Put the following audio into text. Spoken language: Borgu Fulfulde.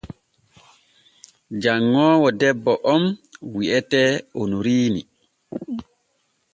Janŋoowo debbo on wi’etee Onoriini.